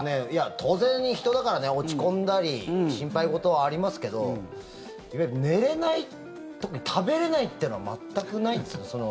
当然人だからね落ち込んだり心配事はありますけどいわゆる寝れない特に食べれないというのは全くないですね。